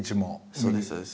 そうです。